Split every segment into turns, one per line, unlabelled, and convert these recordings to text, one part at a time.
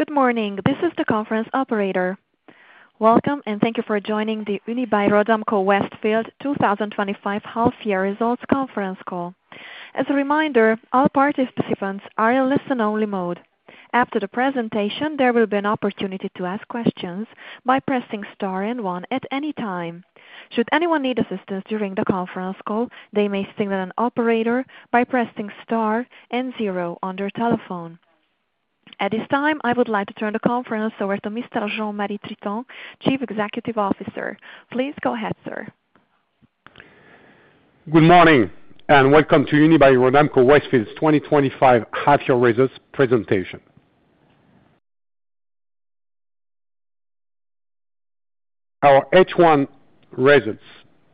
Good morning. This is the conference operator. Welcome, and thank you for joining the Unibail Rodamco Westfield twenty twenty five Half Year Results Conference Call. As a reminder, all participants are in listen only mode. After the presentation, there will be an opportunity to ask questions. At this time, I would like to turn the conference over to Mr. Jean Marie Triton, Chief Executive Officer. Please go ahead, sir.
Good morning, and welcome to Unibail Rodamco Westfield's twenty twenty five Half Year Results Presentation. Our H1 results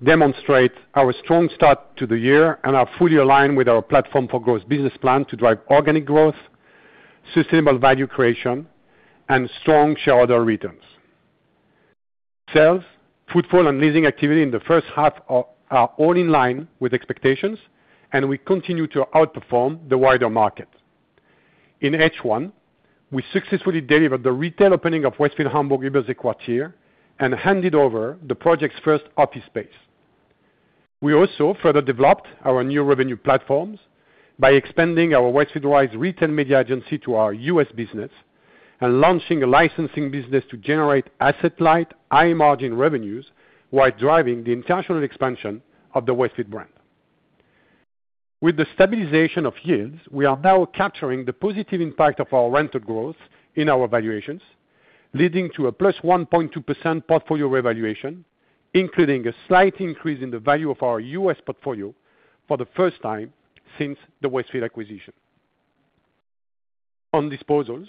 demonstrate our strong start to the year and are fully aligned with our Platform for Growth business plan to drive organic growth, sustainable value creation and strong shareholder returns. Sales, footfall and leasing activity in the first half are all in line with expectations and we continue to outperform the wider market. In H1, we successfully delivered the retail opening of Westfield Hamburg, Ubers et Quartier and handed over the project's first office space. We also further developed our new revenue platforms by expanding our Westfed Wise retail media agency to our U. S. Business and launching a licensing business to generate asset light, high margin revenues while driving the international expansion of the Westfed brand. With the stabilization of yields, we are now capturing the positive impact of our rented growth in our valuations, leading to a plus 1.2% portfolio revaluation, including a slight increase in the value of our US portfolio for the first time since the Westfield acquisition. On disposals,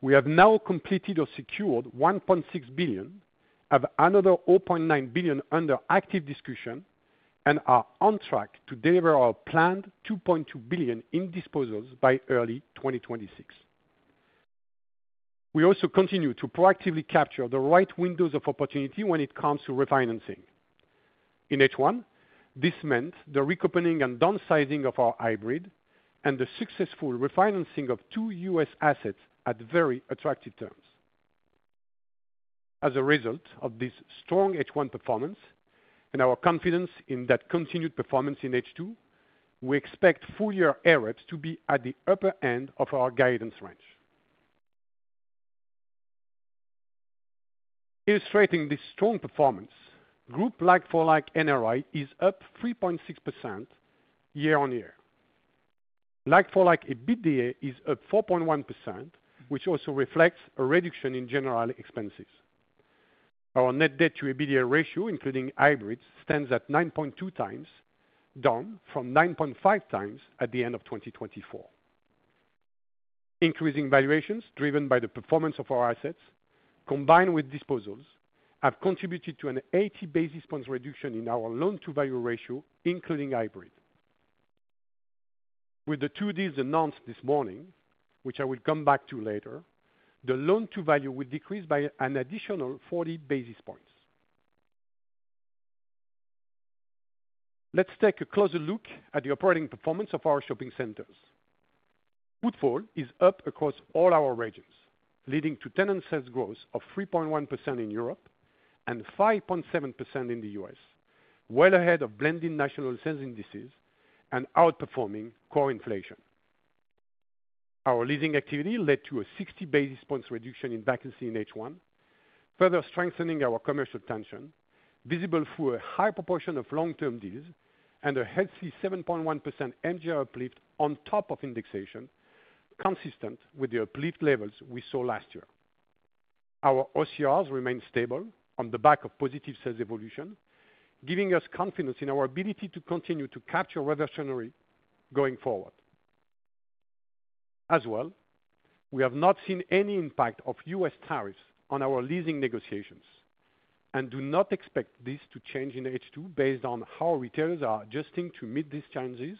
we have now completed or secured 1,600,000,000.0 have another €900,000,000 under active discussion and are on track to deliver our planned €2,200,000,000 in disposals by early twenty twenty six. We also continue to proactively capture the right windows of opportunity when it comes to refinancing. In H1, this meant the reopening and downsizing of our hybrid and the successful refinancing of two US assets at very attractive terms. As a result of this strong H1 performance and our confidence in that continued performance in H2, we expect full year ERETs to be at the upper end of our guidance range. Illustrating this strong performance, group like for like NRI is up 3.6% year on year. Like for like EBITDA is up 4.1%, which also reflects a reduction in general expenses. Our net debt to EBITDA ratio, including hybrids, stands at 9.2 times, down from 9.5 times at the 2024. Increasing valuations driven by the performance of our assets, combined with disposals, have contributed to an 80 basis points reduction in our loan to value ratio including hybrid. With the two deals announced this morning, which I will come back to later, the loan to value will decrease by an additional 40 basis points. Let's take a closer look at the operating performance of our shopping centers. Bootfall is up across all our regions, leading to tenant sales growth of 3.1% in Europe and 5.7% in The US, well ahead of blended national sales indices and outperforming core inflation. Our leasing activity led to a 60 basis points reduction in vacancy in H1, further strengthening our commercial tension, visible through a high proportion of long term deals and a healthy 7.1% NGR uplift on top of indexation, consistent with the uplift levels we saw last year. Our OCR remained stable on the back of positive sales evolution, giving us confidence in our ability to continue to capture reversionary going forward. As well, we have not seen any impact of US tariffs on our leasing negotiations and do not expect this to change in H2 based on how retailers are adjusting to meet these challenges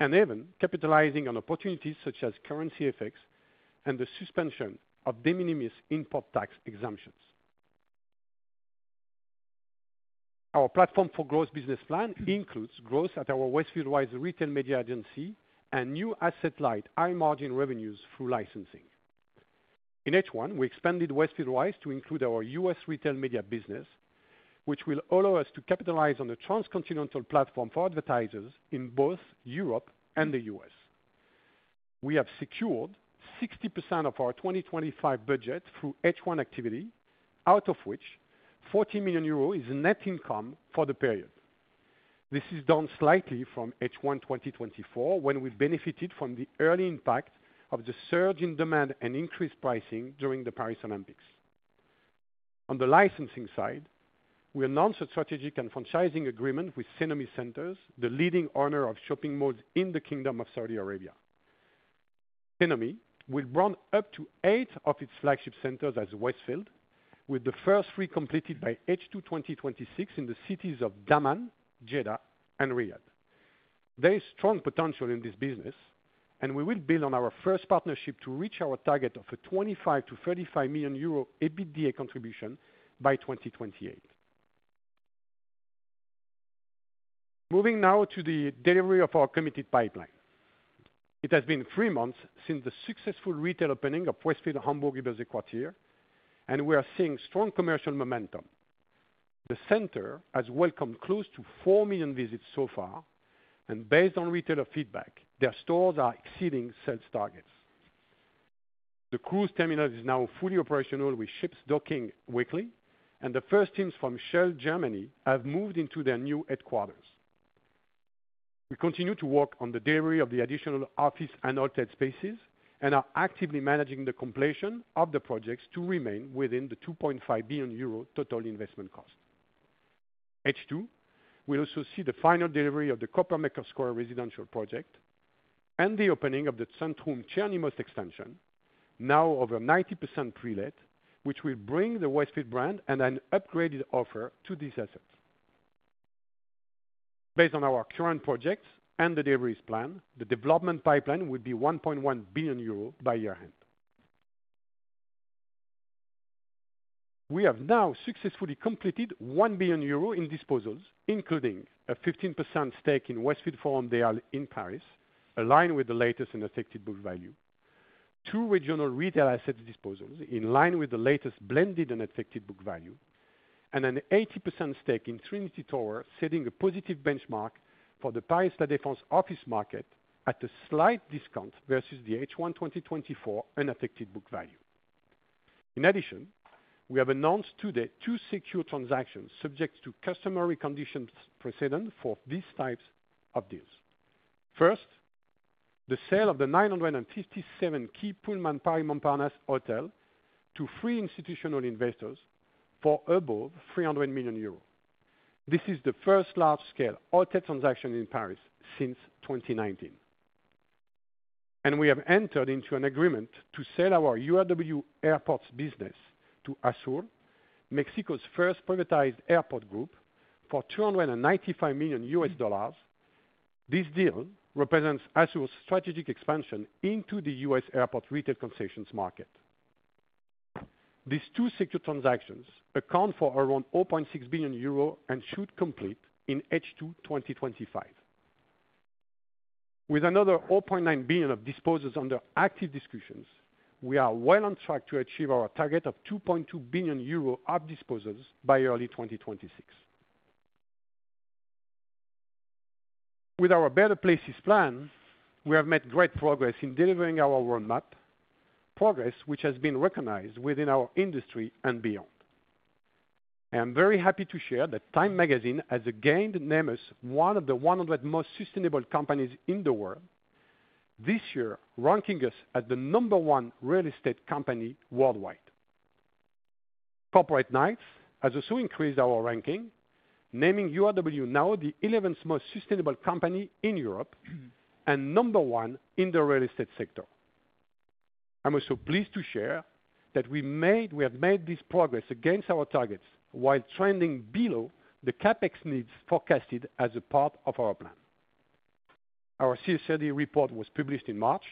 and even capitalizing on opportunities such as currency effects and the suspension of de minimis import tax exemptions. Our Platform for Growth business plan includes growth at our Westfield Wise retail media agency and new asset light high margin revenues through licensing. In H1, we expanded Westfield Wise to include our U. S. Retail media business, which will allow us to capitalize on the transcontinental platform for advertisers in both Europe and The U. S. We have secured 60% of our 2025 budget through H1 activity, out of which €40,000,000 is net income for the period. This is down slightly from H1 twenty twenty four when we benefited from the early impact of the surge in demand and increased pricing during the Paris Olympics. On the licensing side, we announced a strategic and franchising agreement with SenaMi Centers, the leading owner of shopping malls in The Kingdom Of Saudi Arabia. TENOMY will brand up to eight of its flagship centers as Westfield, with the first three completed by H2 twenty twenty six in the cities of Daman, Jeddah and Riyadh. There is strong potential in this business and we will build on our first partnership to reach our target of a €25,000,000 to €35,000,000 EBITDA contribution by 2028. Moving now to the delivery of our committed pipeline. It has been three months since the successful retail opening of Westfield Hamburg U. S. E. Croixier and we are seeing strong commercial momentum. The center has welcomed close to 4,000,000 visits so far and based on retailer feedback, their stores are exceeding sales targets. The cruise terminal is now fully operational with ships docking weekly and the first teams from Shell Germany have moved into their new HQ. We continue to work on the delivery of the additional office and hotel spaces and are actively managing the completion of the projects to remain within the €2,500,000,000 total investment cost. H2, will also see the final delivery of the Copper Makers Square residential project and the opening of the Sandhurm Cernimos extension, now over 90 pre let, which will bring the Westfield brand an upgraded offer to these assets. Based on our current projects and the deliveries plan, the development pipeline will be €1,100,000,000 by year end. We have now successfully completed €1,000,000,000 in disposals, including a 15 stake in Westfield Forum des Ales in Paris, aligned with the latest unaffected book value two regional retail assets disposals, in line with the latest blended unaffected book value and an 80% stake in Trinity Tower setting a positive benchmark for the Paris La Defense office market at a slight discount versus the H1 twenty twenty four unaffected book value. In addition, we have announced today two secure transactions subject to customary conditions precedent for these types of deals: first, the sale of the nine fifty seven key Pullman Pari Manparnas hotel to three institutional investors for above €300,000,000 This is the first large scale hotel transaction in Paris since 2019. And we have entered into an agreement to sell our URW airports business to ASUR, Mexico's first privatized airport group, for US295 million dollars This deal represents ASUR's strategic expansion into The US airport retail concessions market. These two secured transactions account for around €600,000,000 and should complete in H2 twenty twenty five. With another €900,000,000 of disposals under active discussions, we are well on track to achieve our target of €2,200,000,000 of disposals by early twenty twenty six. With our Better Places plan, we have made great progress in delivering our roadmap, progress which has been recognized within our industry and beyond. I am very happy to share that Time Magazine has again named us one of the 100 most sustainable companies in the world, this year ranking us as the number one real estate company worldwide. Corporate Knights has also increased our ranking naming URW now the eleventh most sustainable company in Europe and number one in the real estate sector. I'm also pleased to share that we have made this progress against our targets while trending below the CapEx needs forecasted as a part of our plan. Our CSRD report was published in March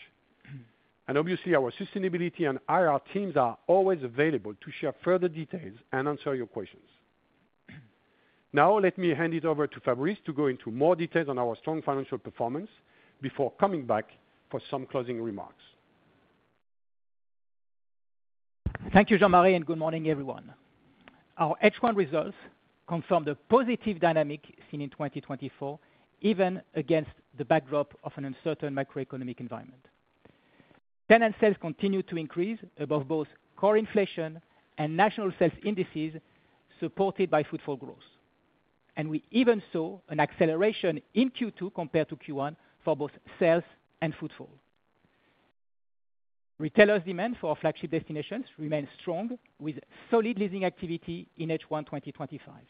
and obviously our sustainability and IR teams are always available to share further details and answer your questions. Now let me hand it over to Fabrice to go into more details on our strong financial performance before coming back for some closing remarks.
Thank you Jean Marie and good morning everyone. Our H1 results confirmed the positive dynamic seen in 2024 even against the backdrop of an uncertain macroeconomic environment. Tenant sales continued to increase above both core inflation and national sales indices supported by footfall growth And we even saw an acceleration in Q2 compared to Q1 for both sales and footfall. Retailers demand for our flagship destinations remained strong with solid leasing activity in H1 twenty twenty five.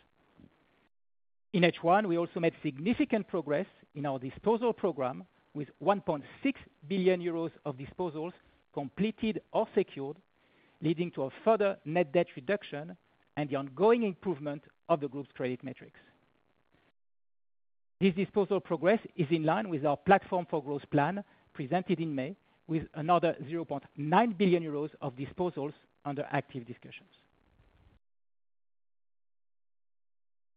In H1 we also made significant progress in our disposal program with €1,600,000,000 of disposals completed or secured, leading to a further net debt reduction and the ongoing improvement of the group's credit metrics. This disposal progress is in line with our Platform for Growth plan presented in May with another €900,000,000 of disposals under active discussions.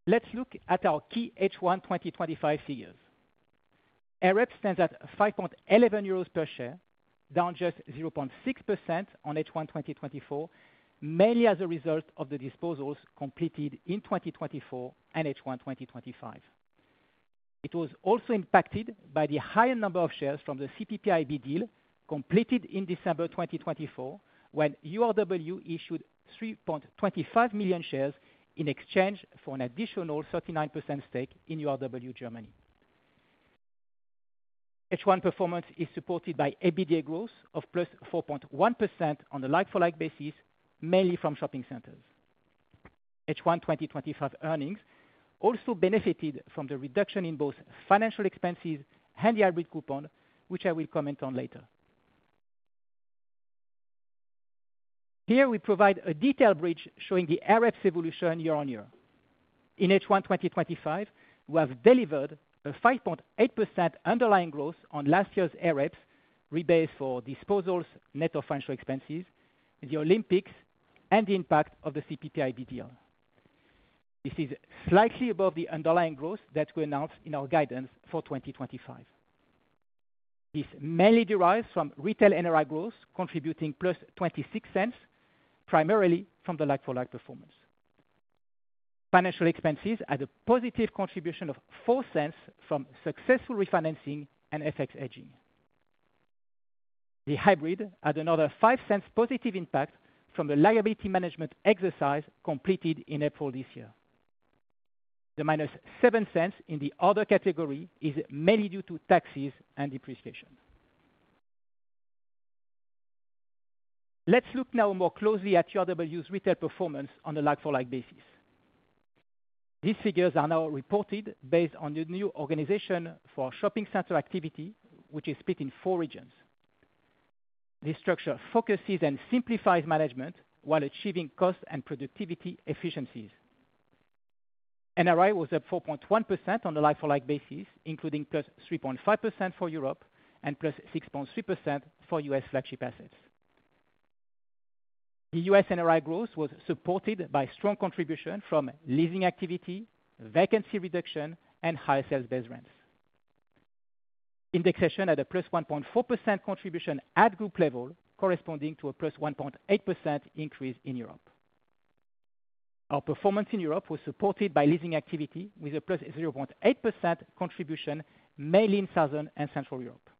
Let's look at our key H1 twenty twenty five figures. AREP stands at €5.11 per share, down just 0.6% on H1 twenty twenty four, mainly as a result of the disposals completed in 2024 and H1 twenty twenty five. It was also impacted by the higher number of shares from the CPPIB deal completed in December 2024 when URW issued 3,250,000.00 shares in exchange for an additional 39% stake in URW Germany. H1 performance is supported by EBITDA growth of plus 4.1% on a like for like basis mainly from shopping centers. H1 twenty twenty five earnings also benefited from the reduction in both financial expenses and the hybrid coupon, which I will comment on later. Here we provide a detailed bridge showing the AREPS evolution year on year. In H1 twenty twenty five, we have delivered a 5.8% underlying growth on last year's AREPS, rebased for disposals net of financial expenses, the Olympics and the impact of the CPPI DDL. This is slightly above the underlying growth that we announced in our guidance for 2025. This mainly derives from retail NRI growth contributing plus €0.26 from the like for like performance. Like Financial expenses had a positive contribution of €04 from successful refinancing and FX hedging. The hybrid had another €05 positive impact from the liability management exercise completed in April. The minus €07 in the other category is mainly due to taxes and depreciation. Let's look now more closely at QRW's retail performance on a like for like basis. These figures are now reported based on the new Organization for Shopping Center activity which is split in four regions. This structure focuses and simplifies management while achieving cost and productivity efficiencies. NRI was up 4.1% on a like for like basis including plus 3.5 for Europe and plus 6.3% for US flagship assets. The US NRI growth was supported by strong contribution from leasing activity, vacancy reduction and higher sales base rents. Indexation had a plus 1.4% contribution at group level corresponding to a plus 1.8% increase in Europe. Our performance in Europe was supported by leasing activity with a plus 0.8% contribution mainly in Southern And Central Europe.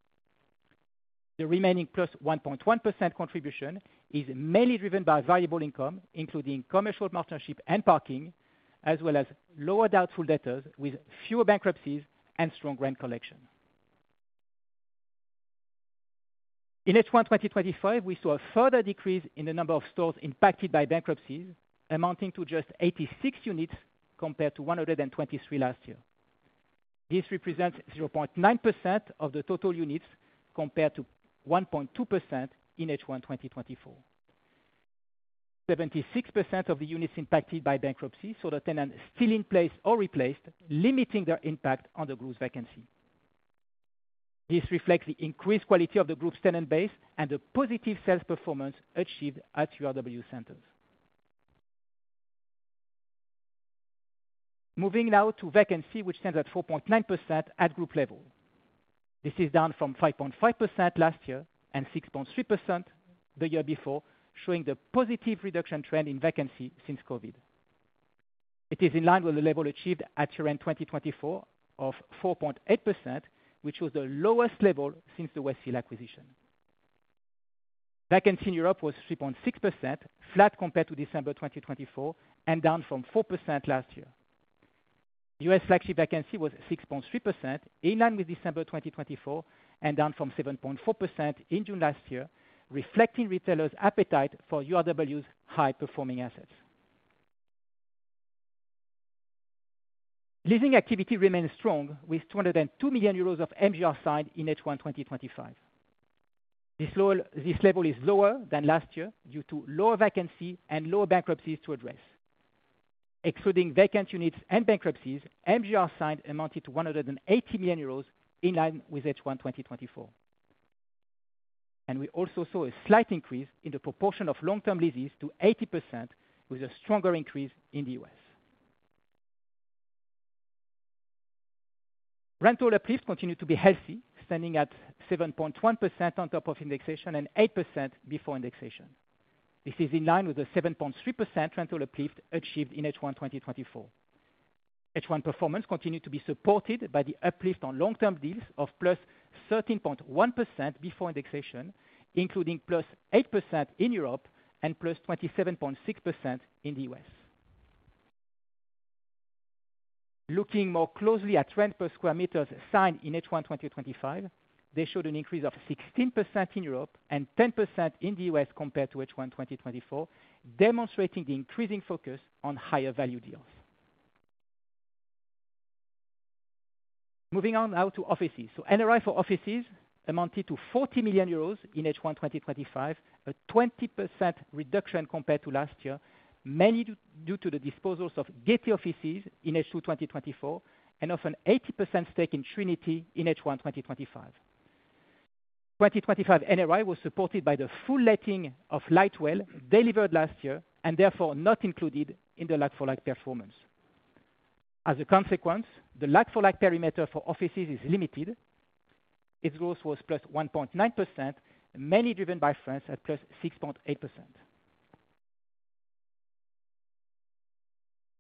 The remaining plus 1.1% contribution is mainly driven by variable income including commercial partnership and parking, as well as lower doubtful debtors with fewer bankruptcies and strong rent collection. In H1 twenty twenty five we saw a further decrease in the number of stores impacted by bankruptcies amounting to just 86 units compared to 123 last year. This represents 0.9 of the total units compared to 1.2% in h one twenty twenty four. 76% of the units impacted by bankruptcy saw the tenant still in place or replaced, limiting their impact on the group's vacancy. This reflects the increased quality of the group's tenant base and the positive sales performance achieved at URW centers. Moving now to vacancy which stands at 4.9% at group level. This is down from 5.5% last year and 6.3% the year before, showing the positive reduction trend in vacancy since COVID. It is in line with the level achieved at year end 2024 of 4.8% which was the lowest level since the Westfield acquisition. Vacancy in Europe was 3.6% flat compared to December 2024 and down from 4% last year. US flagship vacancy was 6.3%, in line with December 2024 and down from 7.4% in June, reflecting retailers' appetite for URW's high performing assets. Leasing activity remains strong with $2.00 €2,000,000 of MGR signed in H1 twenty twenty five. This level is lower than last year due to lower vacancy and lower bankruptcies to address. Excluding vacant units and bankruptcies, MGR signed amounted to €180,000,000 in line with H1 twenty twenty four. And we also saw a slight increase in the proportion of long term leases to 80% with a stronger increase in The US. Rental uplift continued to be healthy, standing at 7.1% on top of indexation and 8% before indexation. This is in line with the 7.3% rental uplift achieved in H1 twenty twenty four. H1 performance continued to be supported by the uplift on long term deals of plus 13.1% before indexation, including plus 8% in Europe and plus 27.6% in The US. Looking more closely at rent per square meters signed in h one twenty twenty five, they showed an increase of 16% in Europe and 10% in The US compared to h one twenty twenty four, demonstrating the increasing focus on higher value deals. Moving on now to offices. So NRI for offices amounted to €40,000,000 in H1 twenty twenty five, a 20% reduction compared to last year, mainly due to the disposals of gate offices in h two twenty twenty four and of an 80% stake in Trinity in h one twenty twenty five. 2025 NRI was supported by the full letting of Lightwell delivered last year and therefore not included in the like for like performance. As a consequence, the like for like perimeter for offices is limited. Its growth was plus 1.9%, mainly driven by France at plus 6.8%.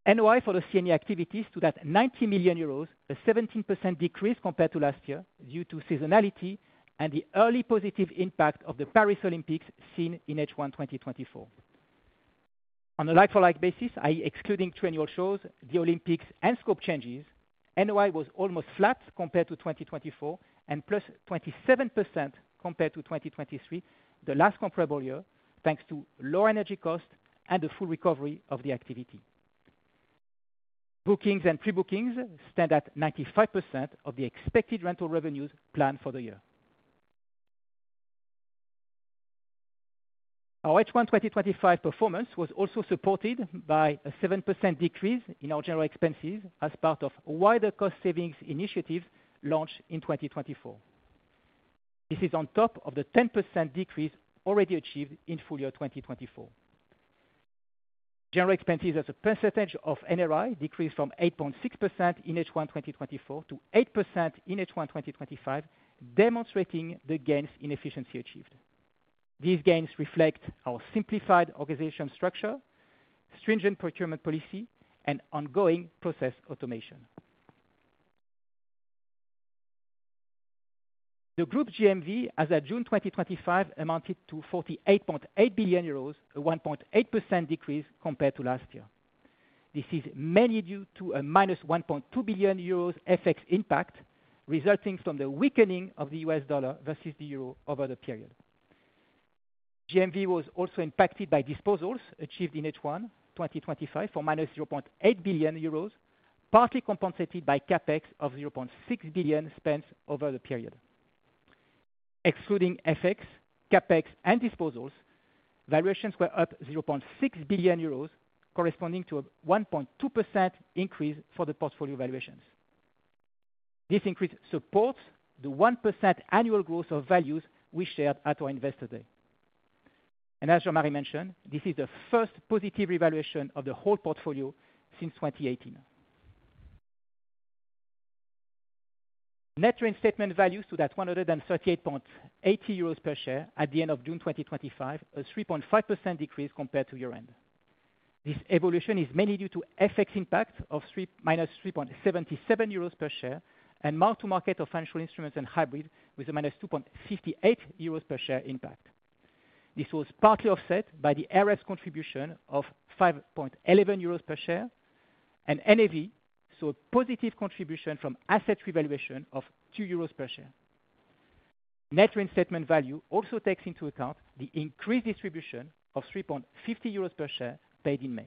NOI for the C and E activities stood at €90,000,000 a 17% decrease compared to last year due to seasonality and the early positive impact of the Paris Olympics seen in H1 twenty twenty four. On a like for like basis, I. E. Excluding triennial shows, the Olympics and scope changes, NOI was almost flat compared to 2024 and plus 27% compared to 2023, the last comparable year, thanks to lower energy costs and a full recovery of the activity. Bookings and pre bookings stand at 95% of the expected rental revenues planned for the year. Our H1 twenty twenty five performance was also supported by a 7% decrease in our general expenses as part of wider cost savings initiatives launched in 2024. This is on top of the 10% decrease already achieved in full year 2024. General expenses as a percentage of NRI decreased from 8.6% in H1 twenty twenty four to 8% in H1 twenty twenty five demonstrating the gains in efficiency achieved. These gains reflect our simplified organization structure, stringent procurement policy and ongoing process automation. The Group's GMV as at June 2025 amounted to €48,800,000,000 a 1.8% decrease compared to last year. This is mainly due to a minus €1,200,000,000 FX impact resulting from the weakening of the US dollar versus the euro over the period. GMV was also impacted by disposals achieved in H1 twenty twenty five for minus €800,000,000 partly compensated by CapEx of €600,000,000 spent over the period. Excluding FX, CapEx and disposals, valuations were up €600,000,000 corresponding to a 1.2% increase for the portfolio valuations. This increase supports the 1% annual growth of values we shared at our investor day. And as Jean Marie mentioned, this is the first positive revaluation of the whole portfolio since 2018. Net reinstatement values stood at 138.8 per share at the June 2025, a 3.5% decrease compared to year end. This evolution is mainly due to FX impact of minus €3.77 per share and mark to market of financial instruments and hybrid with a minus €2.58 per share impact. This was partly offset by the ARES contribution of €5.11 per share and NAV saw a positive contribution from asset revaluation of €2 per share. Net reinstatement value also takes into account the increased distribution of €3.5 per share paid in May.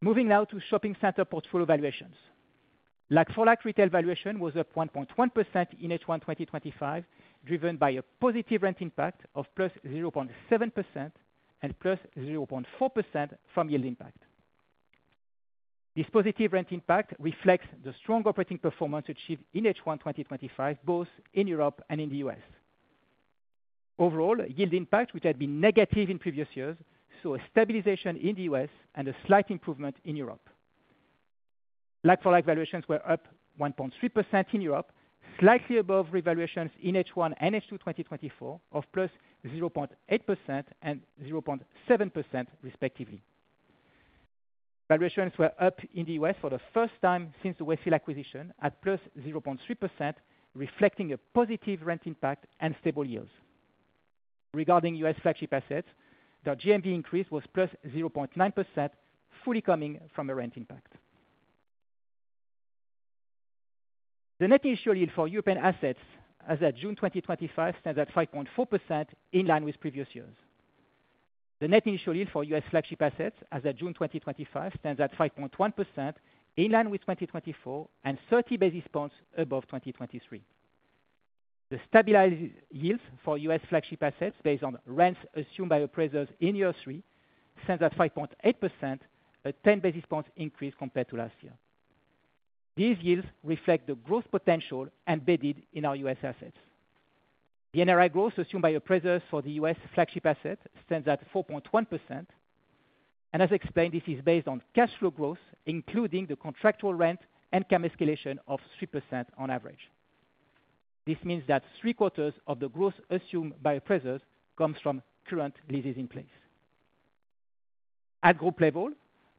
Moving now to shopping center portfolio valuations. Like for like retail valuation was up 1.1% in H1 twenty twenty five driven by a positive rent impact of plus 0.7% and plus 0.4% from yield impact. This positive rent impact reflects the strong operating performance achieved in H1 twenty twenty five both in Europe and in The US. Overall, yield impact which had been negative in previous years saw a stabilization in The US and a slight improvement in Europe. Like for like valuations were up 1.3% in Europe, slightly above revaluations in H1 and H2 twenty twenty four of plus 0.80.7% respectively. Valuations were up in The US for the first time since the Westfield acquisition at plus 0.3% reflecting a positive rent impact and stable yields. Regarding US flagship assets, the GMV increase was plus 0.9% fully coming from a rent impact. The net initial yield for European assets as at June 2025 stands at 5.4 in line with previous years. The net initial yield for US flagship assets as at June 2025 stands at 5.1% in line with 2024 and thirty basis points above 2023. The stabilized yields for US flagship assets based on rents assumed by appraisers in year three stands at 5.8%, a 10 basis points increase compared to last year. These yields reflect the growth potential embedded in our US assets. The NRI growth assumed by appraisers for The US flagship asset stands at 4.1 and as explained this is based on cash flow growth including the contractual rent and CAM escalation of 3% on average. This means that three quarters of the growth assumed by appraisers comes from current leases in place. At group level,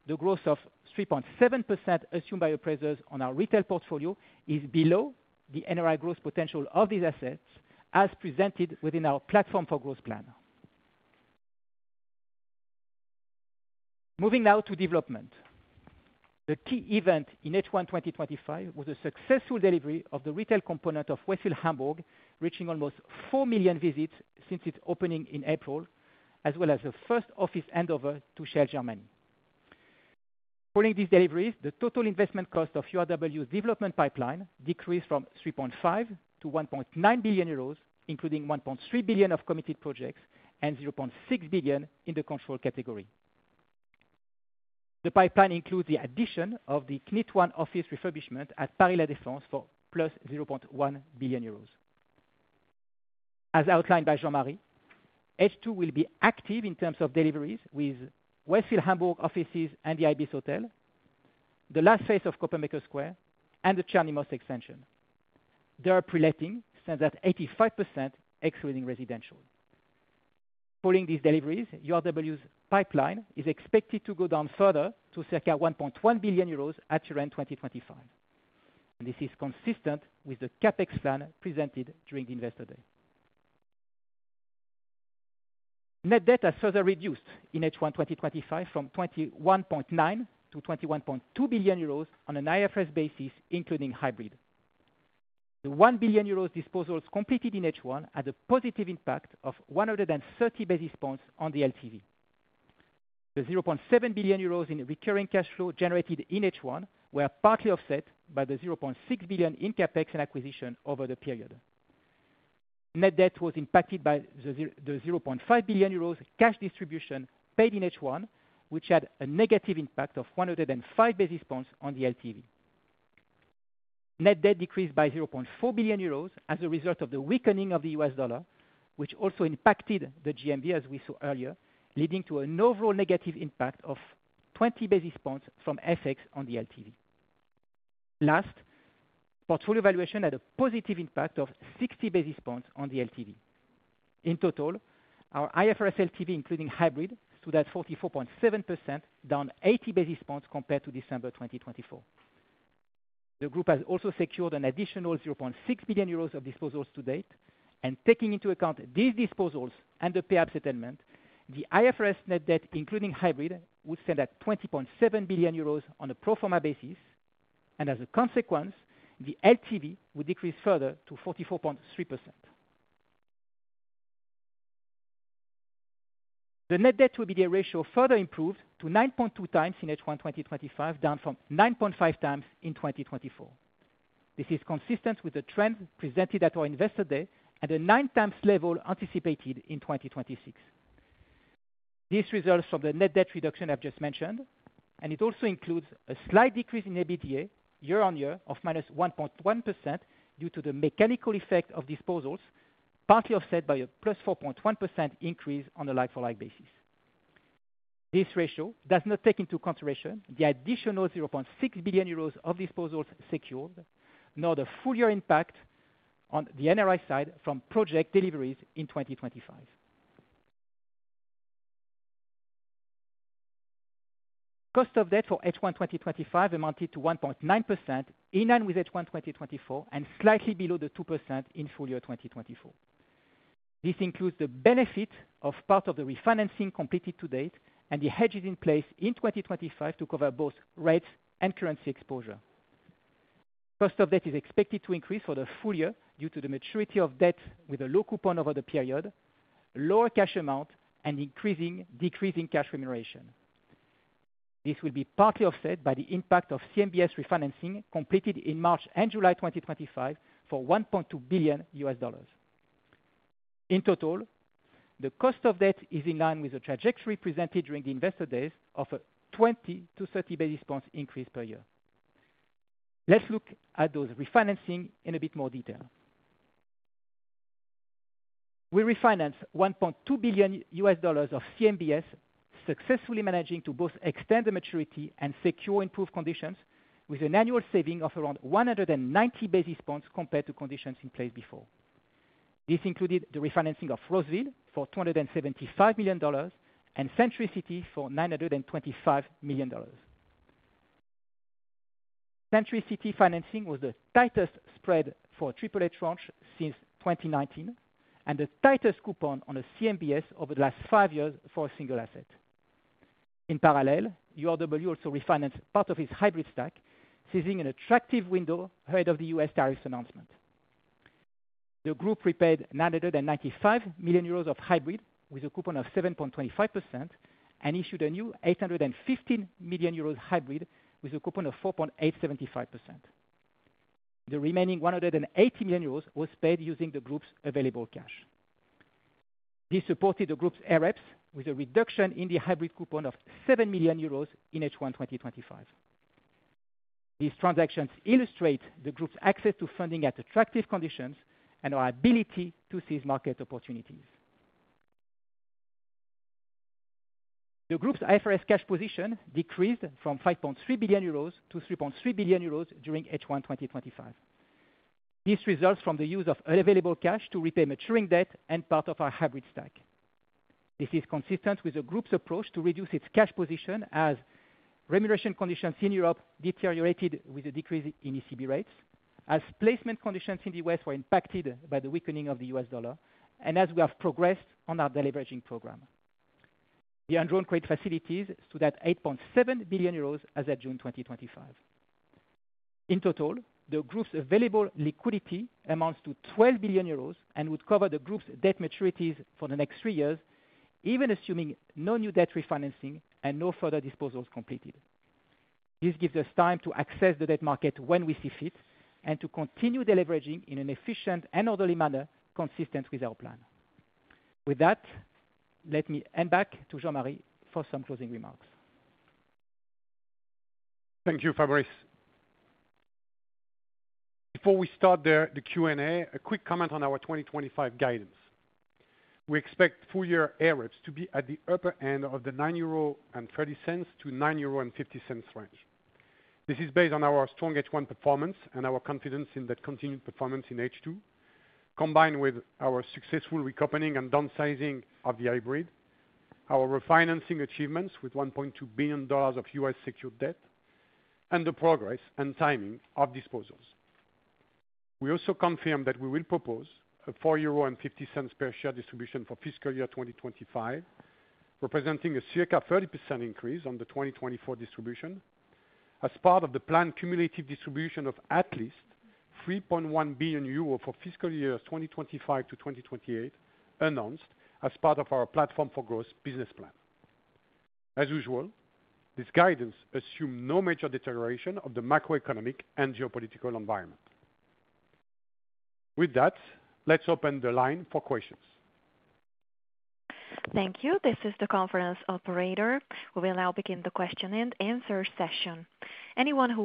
the growth of 3.7% assumed by appraisers on our retail portfolio is below the NRI growth potential of these assets as presented within our Platform for Growth plan. Moving now to development. The key event in H1 twenty twenty five was the successful delivery of the retail component of Wessel Hamburg reaching almost 4,000,000 visits since its opening in April, as well as the first office handover to Shell Germany. Following these deliveries, the total investment cost of URW's development pipeline decreased from €3,500,000,000 to €1,900,000,000 including €1,300,000,000 of committed projects and €600,000,000 in the control category. The pipeline includes the addition of the KNIT1 office refurbishment at Paris La Defense for plus €100,000,000 As outlined by Jean Marie, h two will be active in terms of deliveries with Westfield Hamburg offices and the Ibis Hotel, the last phase of Copermeker Square and the Chernimos extension. DERP reletting stands at 85% excluding residential. Following these deliveries, URW's pipeline is expected to go down further to circa €1,100,000,000 at year end twenty twenty five. This is consistent with the CapEx plan presented during the investor day. Net debt has further reduced in H1 twenty twenty five from twenty one point nine to €21,200,000,000 on an IFRS basis including hybrid. The €1,000,000,000 disposals completed in H1 had a positive impact of 130 basis points on the LTV. The €700,000,000 in recurring cash flow generated in H1 were partly offset by the €600,000,000 in CapEx and acquisition over the period. Net debt was impacted by the €500,000,000 cash distribution paid in H1 which had a negative impact of 105 basis points on the LTV. Net debt decreased by €400,000,000 as a result of the weakening of the US dollar, which also impacted the GMV as we saw earlier, leading to an overall negative impact of 20 basis points from FX on the LTV. Last, portfolio valuation had a positive impact of 60 basis points on the LTV. In total, our IFRS LTV including hybrid stood at 44.7%, down 80 basis points compared to December 2024. The group has also secured an additional €600,000,000 of disposals to date and taking into account these disposals and the payout settlement, the IFRS net debt including hybrid would stand at €20,700,000,000 on a pro form a basis and as a consequence the LTV would decrease further to 44.3%. The net debt to EBITDA ratio further improved to 9.2 times in H1 twenty twenty five down from 9.5 times in 2024. This is consistent with the trend presented at our Investor Day at a nine times level anticipated in 2026. This results from the net debt reduction I've just mentioned and it also includes a slight decrease in EBITDA year on year of minus 1.1% due to the mechanical effect of disposals partly offset by a plus 4.1% increase on a like for like basis. This ratio does not take into consideration the additional €600,000,000 of disposals secured nor the full year impact on the NRI side from project deliveries in 2025. Cost of debt for H1 twenty twenty five amounted to 1.9% in line with H1 twenty twenty four and slightly below the 2% in full year 2024. This includes the benefit of part of the refinancing completed to date and the hedges in place in 2025 to cover both rates and currency exposure. Cost of debt is expected to increase for the full year due to the maturity of debt with a low coupon over the period, lower cash amount and decreasing cash remuneration. This will be partly offset by the impact of CMBS refinancing completed in March and July 2025 for 1,200,000,000.0 US dollars. In total, the cost of debt is in line with the trajectory presented during the Investor Day of a 20 to 30 basis points increase per year. Let's look at those refinancing in a bit more detail. We refinanced 1,200,000,000.0 US dollars of CMBS, successfully managing to both extend the maturity and secure improved conditions with an annual saving of around 190 basis points compared to conditions in place before. This included the refinancing of Roseville for $275,000,000 and Centricity for $925,000,000. Centricity financing was the tightest spread for AAA tranche since 2019 and the tightest coupon on a CMBS over the last five years for a single asset. In parallel, URW also refinanced part of its hybrid stack seizing an attractive window ahead of The US tariffs announcement. The group repaid €995,000,000 of hybrid with a coupon of 7.25% and issued a new €815,000,000 hybrid with a coupon of 4.875%. The remaining €180,000,000 was paid using the group's available cash. This supported the group's AREPS with a reduction in the hybrid coupon of €7,000,000 in h one twenty twenty five. These transactions illustrate the group's access to funding at attractive conditions and our ability to seize market opportunities. The group's IFRS cash position decreased from €5,300,000,000 to €3,300,000,000 during H1 twenty twenty five. This results from the use of unavailable cash to repay maturing debt and part of our hybrid stack. This is consistent with the group's approach to reduce its cash position as remuneration conditions in Europe deteriorated with a decrease in ECB rates, as placement conditions in The US were impacted by the weakening of the US dollar, and as we have progressed on our deleveraging program. The undrawn credit facilities stood at 8,700,000,000 as at June 2025. In total, the group's available liquidity amounts to €12,000,000,000 and would cover the group's debt maturities for the next three years even assuming no new debt refinancing and no further disposals completed. This gives us time to access the debt market when we see fit and to continue deleveraging in an efficient and orderly manner consistent with our plan. With that, let me hand back to Jean Marie for some closing remarks.
Thank you, Fabrice. Before we start the Q and A, a quick comment on our 2025 guidance. We expect full year AREPS to be at the upper end of the €9.3 to €9.5 range. This is based on our strong H1 performance and our confidence in that continued performance in H2, combined with our successful reopening and downsizing of the hybrid, our refinancing achievements with $1,200,000,000 of U. S. Secured debt and the progress and timing of disposals. We also confirm that we will propose a 4.5 per share distribution for fiscal year twenty twenty five, representing a circa 30 increase on the 2024 distribution, as part of the planned cumulative distribution of at least €3,100,000,000 for fiscal years 2025 to 2028 announced as part of our Platform for Growth business plan. As usual, this guidance assumes no major deterioration of the macroeconomic and geopolitical environment. With that, let's open the line for questions.
Thank you. This is the conference operator. We will now begin the question and answer session. The first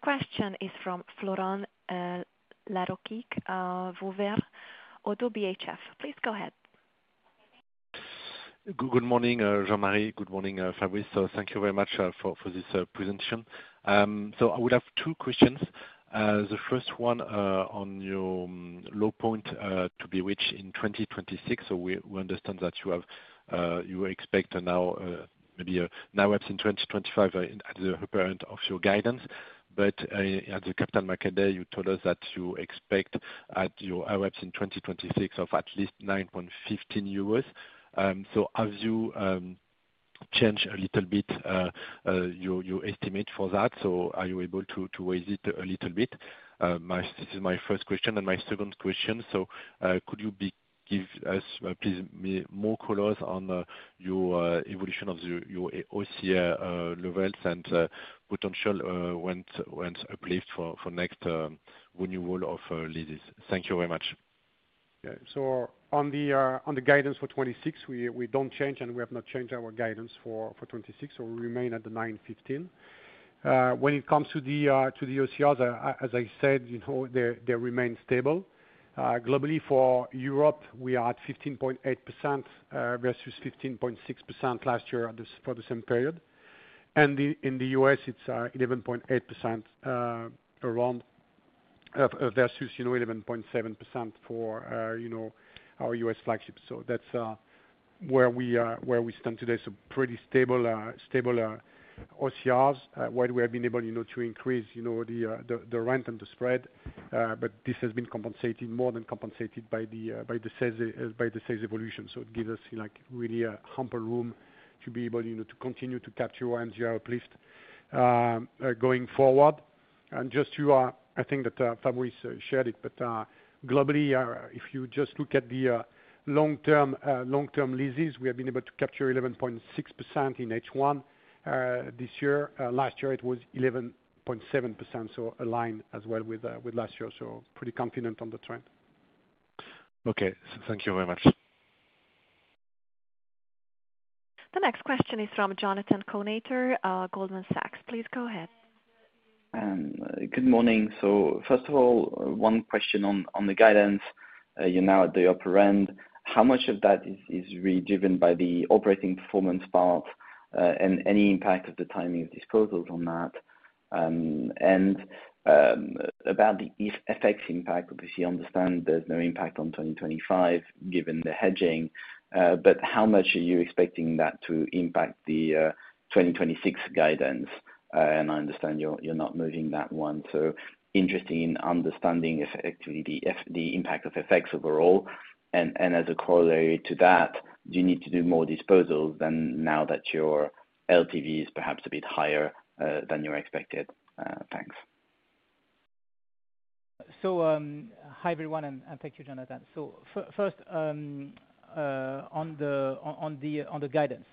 question is from Florent Laroquique, Vouvert, ODDO BHF. Please go ahead.
Good morning, Jean Marie. Good morning, Fabrice. So thank you very much for this presentation. So I would have two questions. The first one on your low point to be reached in 2026. So we understand that you have you expect now maybe now absent 2025 at the upper end of your guidance. But at the Capital Market Day, you told us that you expect at your AWEPS in 2026 of at least 9.15 euros. So as you change a little bit your estimate for that, so are you able to raise it a little bit? This is my first question. And my second question, so could you give us please more colors on your evolution of your OCR levels and potential wins uplift for next renewal of leases? Thank you very much.
Yes. So on the guidance for '26, we don't change and we have not changed our guidance for '26, so we remain at the €915,000,000 it comes to the OCR, as I said, they remain stable. Globally, for Europe, we are at 15.8% versus 15.6% last year for the same period. And in The US, it's 11.8% around versus 11.7% for our US flagship. So that's where we stand today. So pretty stable OCR's, while we have been able to increase the rent and the spread, but this has been compensated more than compensated by the sales evolution. So it gives us really a ample room to be able to continue to capture our NGR uplift going forward. And just to I think that Fabrice shared it, but globally, if you just look at the long term leases, we have been able to capture 11.6 in H1 this year. Last year, it was 11.7%, so aligned as well with last year. So pretty confident on the trend.
Okay. Thank you very much.
The next question is from Jonathan Kownator, Goldman Sachs. Please go ahead.
Good morning. So first of all, one question on the guidance. You're now at the upper end. How much of that is really driven by the operating performance part? And any impact of the timing of disposals on that? And about the FX impact, obviously, I understand there's no impact on 2025 given the hedging. But how much are you expecting that to impact the 2026 guidance? And I understand you're not moving that one. So interesting in understanding if actually the f the impact of FX overall. And and as a corollary to that, do you need to do more disposals than now that your LTV is perhaps a bit higher, than you expected? Thanks.
So hi everyone and thank you Jonathan. So first on the guidance,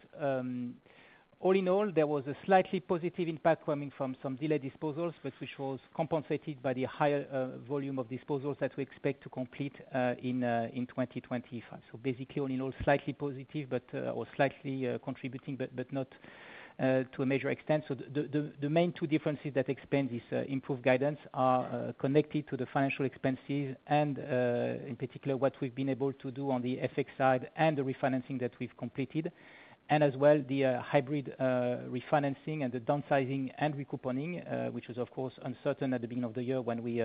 all in all there was a slightly positive impact coming from some delayed disposals which was compensated by the higher volume of disposals that we expect to complete in 2025. So basically all in all, slightly positive or slightly contributing, but not to a major extent. So the main two differences that expand this improved guidance are connected to the financial expenses and in particular what we've been able to do on the FX side and the refinancing that we've completed and as well the hybrid refinancing and the downsizing and recouping, which was of course uncertain at the beginning of the year when we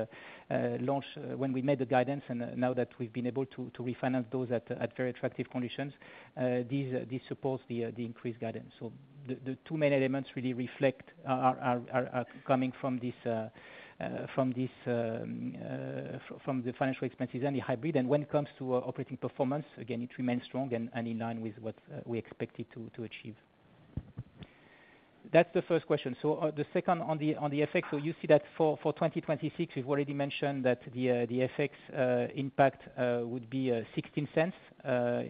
when we made the guidance and now that we've been able to refinance those at very attractive conditions, this supports the increased guidance. So the two main elements really reflect are coming from this from the financial expenses and the hybrid. When it comes to operating performance, again, it remains strong and in line with what we expected to achieve. That's the first question. So the second on the FX, so you see that for 2026 we've already mentioned that the FX impact would be 16¢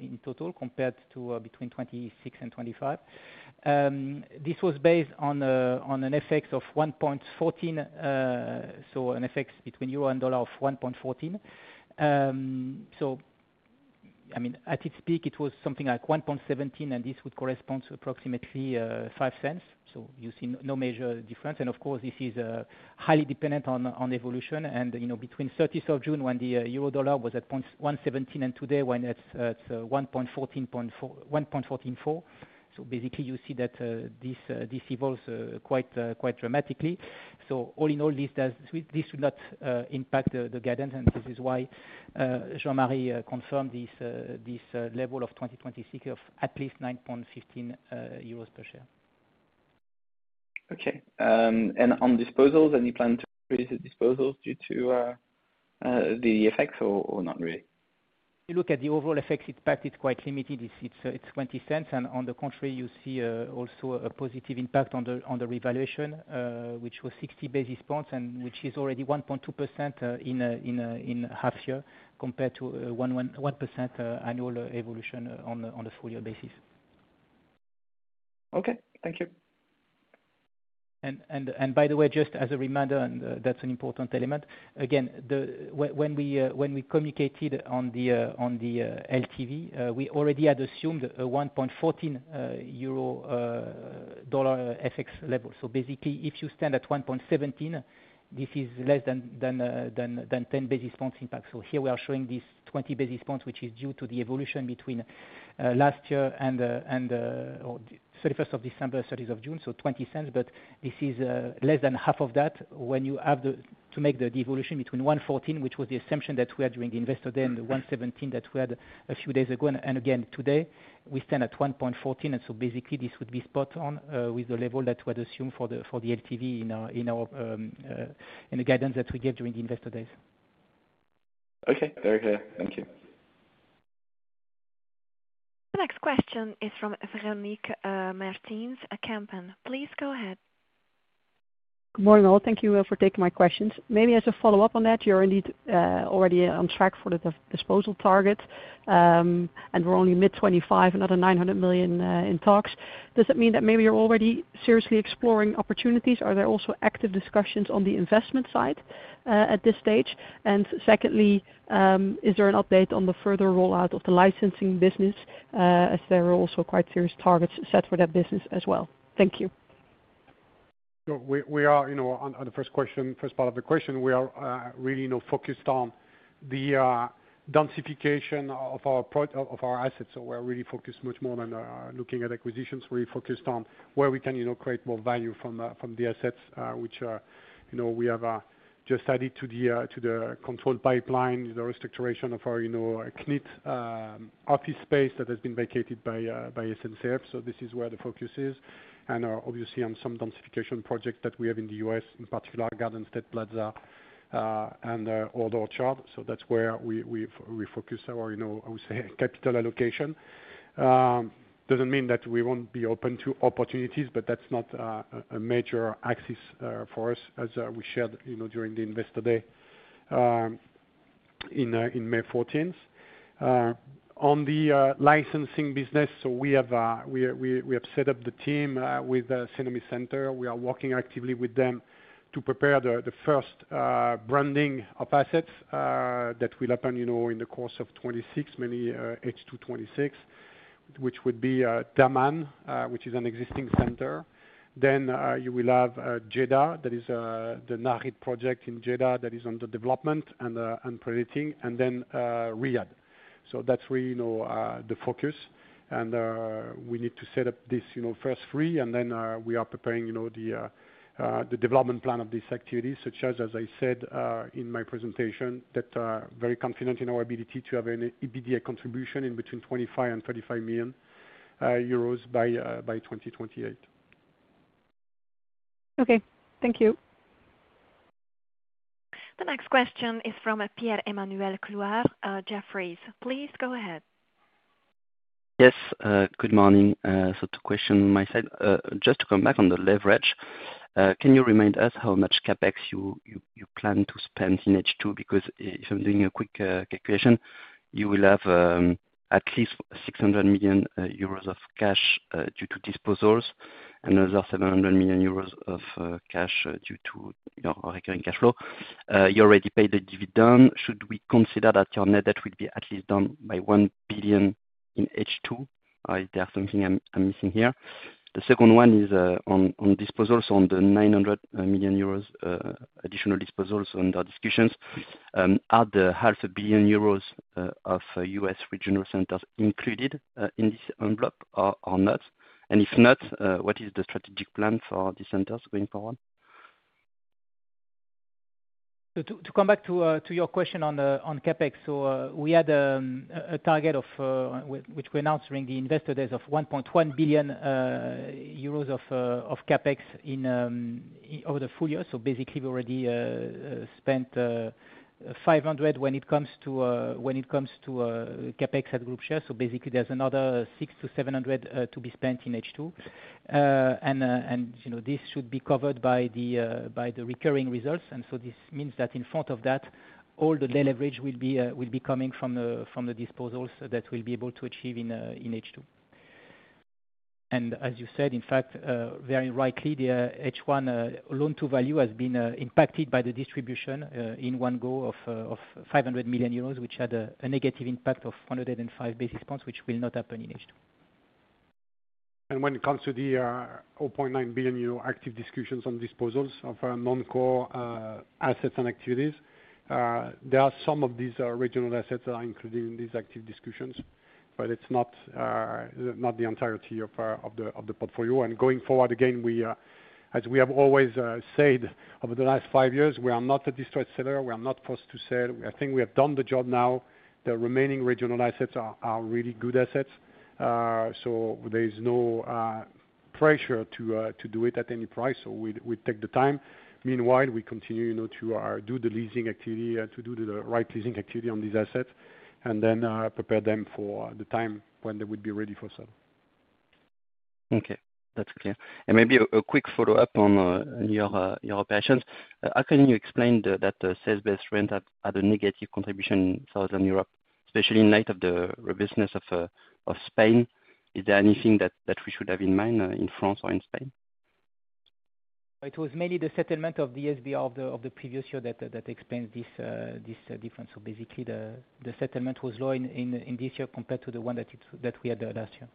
in total compared to between '26 and '25. This was based on an FX of 1.14, so an FX between euro and dollar of 1.14. So, I mean, at its peak, it was something like 1.17, and this would correspond to approximately 5¢. So you see no major difference. And, of course, this is highly dependent on on evolution. And, you know, between June 30 when the euro dollar was at point one seventeen and today when it's 1.144. So basically you see that this evolves quite dramatically. So all in all, this will not impact the guidance and this is why Jean Marie confirmed this this level of 2026 of at least €9.15 per share.
Okay. And on disposals, any plan to reduce the disposals due to the effects or or not really?
If you look at the overall effects impact, it's quite limited. It's it's it's 20¢. And on the contrary, you see also a positive impact on the on the revaluation, which was 60 basis points and which is already 1.2% in half year compared to percent annual evolution on a full year basis.
Okay. Thank you.
And by the way, just as a reminder, and that's an important element, again, when we communicated on the LTV, we already had assumed a €1.14 FX level. So basically, if you stand at 1.17, this is less than 10 basis points impact. So here we are showing this 20 basis points, which is due to the evolution between last year and December 31, June 30, so 20¢, but this is less than half of that when you have to make the devolution between one fourteen, which was the assumption that we had during the Investor Day and the 01/17 that we had a few days ago. And and, again, today, we stand at 1.14. And so, basically, this would be spot on, with the level that we had assumed for the for the LTV in our in our, the in guidance that we gave during the Investor Day.
Okay. Very clear. Thank you.
The next question is from Remyk Martines, Kempen. Please go ahead.
Good morning all. Thank you for taking my questions. Maybe as a follow-up on that, you're indeed, already on track for the disposal target, and we're only mid twenty 5, another 900,000,000, in talks. Does that mean that maybe you're already seriously exploring opportunities? Are there also active discussions on the investment side at this stage? And secondly, is there an update on the further rollout of the licensing business as there are also quite serious targets set for that business as well? Thank you.
So we are on the first question first part of the question, we are really focused on the densification of our assets. We're really focused much more than looking at acquisitions. We're focused on where we can create more value from the assets, which we have just added to the control pipeline, the restoration of our KNET office space that has been vacated by SNCF. So this is where the focus is. And obviously, on some densification projects that we have in The U. S, in particular, Gardenstead Plaza and Old Orchard. So that's where refocused our, I would say, allocation. Doesn't mean that we won't be open to opportunities, but that's not a major axis for us, as we shared during the Investor Day May 14. On the licensing business, so we have set up the team with cinema center. We are working actively with them to prepare the first branding of assets that will happen in the course of 2026, mainly H2 twenty twenty six, which would be Damman, which is an existing center. Then you will have Jeddah, that is the Nahid project in Jeddah that is under development and predicting and then Riyadh. So that's really the focus. And we need to set up this first free, and then we are preparing the development plan of these activities such as, as I said in my presentation, that very confident in our ability to have an EBITDA contribution in between 25,000,000 and €35,000,000 by 2028.
Okay, thank you.
The next question is from Pierre Emmanuel Couillard, Jefferies. Please go ahead.
Yes, Good morning. So two questions on my side. Just to come back on the leverage, can you remind us how much CapEx you plan to spend in H2? Because if I'm doing a quick calculation, you will have at least 600 million euros of cash due to disposals and another 700 million euros of cash due to your recurring cash flow. You already paid the dividend. Should we consider that your net debt will be at least down by 1 billion in H2? H2? Is there something I'm missing here? The second one is on disposals, the 900,000,000 euros additional disposals under discussions. Are the 500,000,000.0 euros of U. S. Regional centers included in this envelope or not? And if not, what is the strategic plan for these centers going forward?
To come back to your question on CapEx, so we had a target of which we announced during the Investor Day of 1,100,000,000.0 euros of CapEx in over the full year. So basically, we've already spent 500,000,000 when it comes to CapEx at group share. So basically, there's another 600 to 700 to be spent in H2. And this should be covered by the recurring results. And so this means that in front of that, all the deleverage will be coming from the disposals that we'll be able to achieve in H2. And as you said, in fact, very rightly, the H1 loan to value has been impacted by the distribution in one go of €500,000,000 which had a negative impact of 105 basis points, which will not happen in each.
And when it comes to the €900,000,000 active discussions on disposals of our non core assets and activities, There are some of these regional assets that are included in these active discussions, but it's not the entirety of the portfolio. And going forward, again, we as we have always said over the last five years, we are not a distressed seller. We are not forced to sell. I think we have done the job now. The remaining regional assets are really good assets. So there is no pressure to do it at any price, so we take the time. Meanwhile, we continue activity to do the right leasing activity on these assets and then prepare them for the time when they would be ready for sale.
Okay. That's clear. And maybe a quick follow-up on your operations. How can you explain that the sales based rent had a negative contribution in Southern Europe, especially in light of the robustness of Spain? Is there anything that we should have in mind in France or in Spain?
It was mainly the settlement of the SBR of the previous year that explains this difference. So basically, settlement was low in this year compared to the one that we had last year.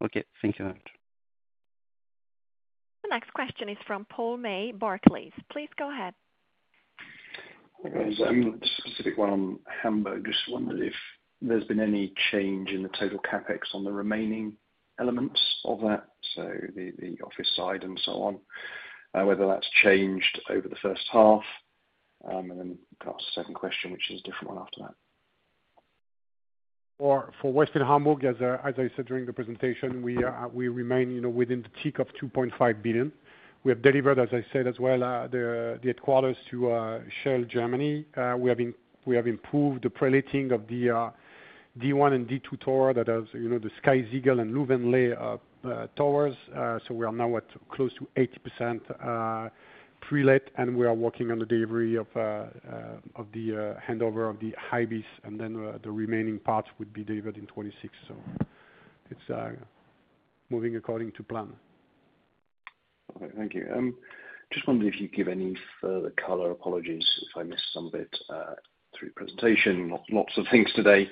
Okay. Thank you very much.
The next question is from Paul May, Barclays. Please go ahead.
Hi, guys. Specific one on Hamburg. Just wondered if there's been any change in the total CapEx on the remaining elements of that, so the office side and so on, whether that's changed over the first half? And then perhaps second question, which is a different one after that.
For Western Hamburg, as I said during the presentation, we remain within the tick of 2,500,000,000.0. We have delivered, as I said as well, the headquarters to Shell Germany. We have improved the preletting of the D1 And D2 Tower that are the Sky Siegel and Louvain Leh Towers. So we are now at close to 80% prelet, and we are working on the delivery of the handover of the high vis, and then the remaining parts would be delivered in '26. So it's moving according to plan.
Okay. Thank you. Just wondering if you give any further color. Apologies if I missed some of it through presentation. Lots of things today.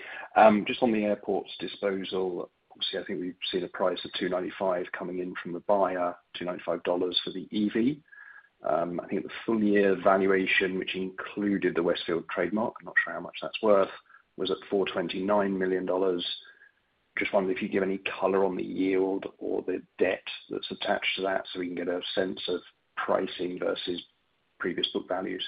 Just on the airport's disposal, obviously, I think we've seen a price of $295 coming in from the buyer, $2.95 for the EV. I think the full year valuation, which included the Westfield trademark, not sure how much that's worth, was at $429,000,000 Just wondering if you give any color on the yield or the debt that's attached to that so we can get a sense of pricing versus previous book values.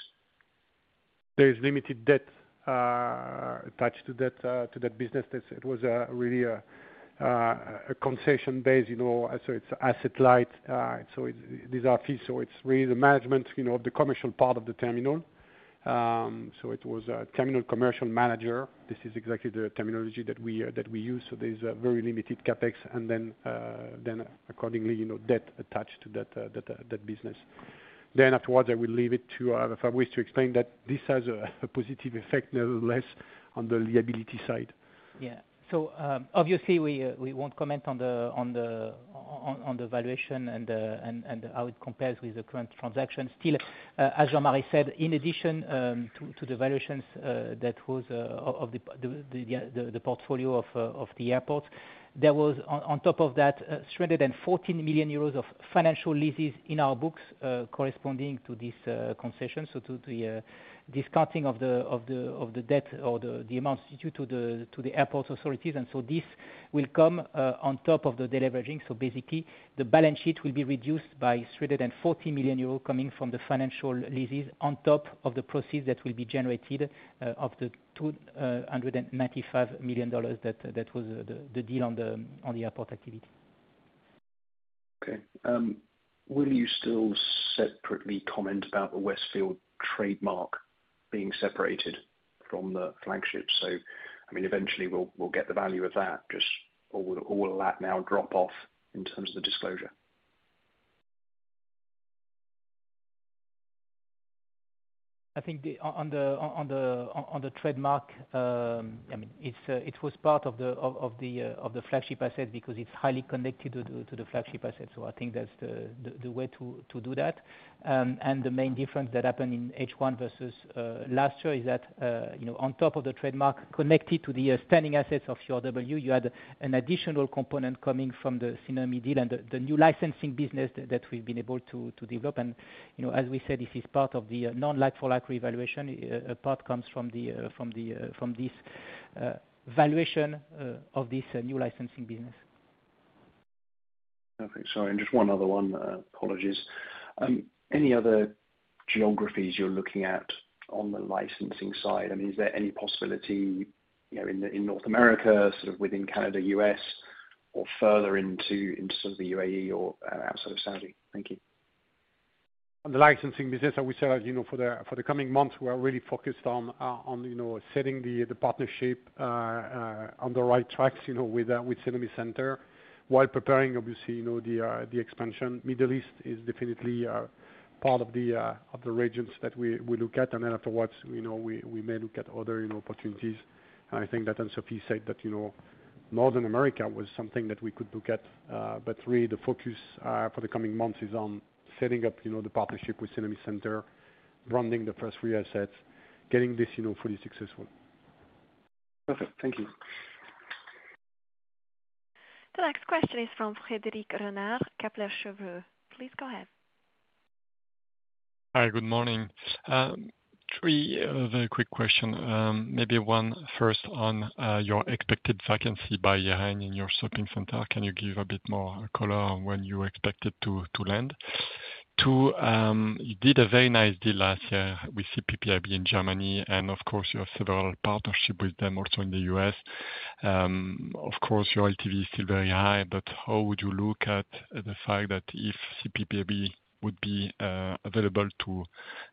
There is limited debt attached to that business. It was really a concession based, so it's asset light. So these are fees, so it's really the management of the commercial part of the terminal. So it was a terminal commercial manager. This is exactly the terminology that we use. So there's very limited CapEx and then accordingly debt attached to that business. Then afterwards, I will leave it to Fabrice to explain that this has a positive effect nevertheless on the liability side.
Yes. So obviously, we won't comment on the valuation and how it compares with the current transaction. Still, as Jean Marie said, in addition to the valuations that was of the portfolio of the airport, There was on top of that €314,000,000 of financial leases in our books corresponding to this concession, so to the discounting of the debt or the amounts due to the airport authorities. And so this will come on top of the deleveraging. So basically, the balance sheet will be reduced by €340,000,000 coming from the financial leases on top of the proceeds that will be generated of the $295,000,000 that was deal on the airport activity.
Okay. Will you still separately comment about the Westfield trademark being separated from the flagship? So, I mean, eventually, we'll we'll get the value of that just or will that now drop off in terms of the disclosure?
I think on the trademark, I mean, it was part of the flagship asset because it's highly connected to the flagship asset. So I think that's the way to do that. And the main difference that happened in H1 versus last year is that on top of the trademark connected to the standing assets of QRW, you had an additional component coming from the Cyname deal and the new licensing business that we've been able to develop. And as we said, this is part of the non like for like revaluation. Apart comes from this valuation of this new licensing business.
Perfect. Sorry. And just one other one, apologies. Any other geographies you're looking at on the licensing side? I mean, there any possibility, you know, in the in North America, sort of within Canada, US, or further into into sort of The UAE or outside of Saudi? Thank you.
On the licensing business, I would say, as you know, for the coming months, we are really focused on setting the partnership on the right tracks with SeneMe Centre while preparing, obviously, the expansion. Middle East is definitely part of the regions that we look at. And then afterwards, we may look at other opportunities. And I think that Ansofi said that Northern America was something that we could look at. But really, the focus for the coming months is on setting up the partnership with Cinemis Center, branding the first three assets, getting this fully successful.
Perfect. Thank you.
The next question is from Frederic Renard, Kepler
would be available to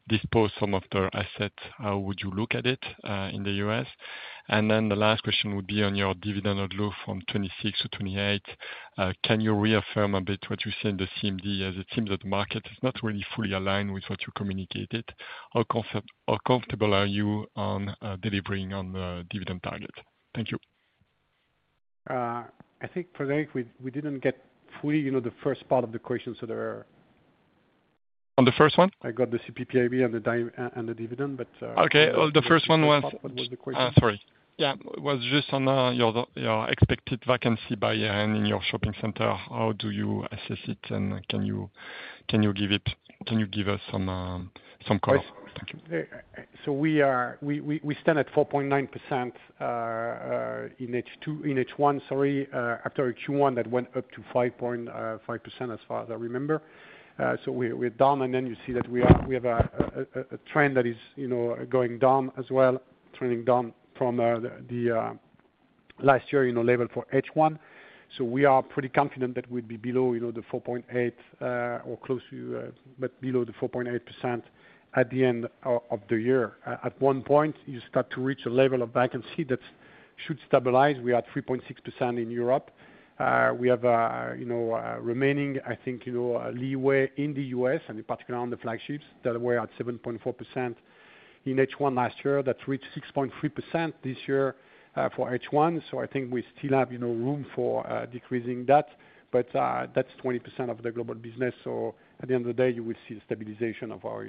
dispose some of their assets, how would you look at it in The U. S? And then the last question would be on your dividend outlook from 26% to 28 Can you reaffirm a bit what you said in the CMD as it seems that market is not really fully aligned with what you communicated? How comfortable are you on delivering on the dividend target? Thank you.
I think, Frederic, we didn't get fully the first part of the question. There are On the first one? I got the CPP IB and the dividend, but
Okay. Well, the first one was
what was the question?
Sorry. Yeah. It was just on your your expected vacancy by end in your shopping center. How do you assess it? And can you can you give it can you give us some cost?
So Thank we are we stand at 4.9% in H2 in H1, sorry, after Q1 that went up to 5.5% as far as I remember. So we're done. And then you see that we have a trend that is going down as well, trending down from the last year level for H1. So we are pretty confident that we'd be below the 4.8% or close to below the 4.8% at the end of the year. At one point, you start to reach a level of vacancy that should stabilize. We are at 3.6% in Europe. We have remaining, I think, leeway in the flagships, Delaware at 7.4% U. In H1 last year. That's reached 6.3% this year for H1. So I think we still have room for decreasing that, but that's 20% of the global business. So at the end of the day, you will see stabilization of our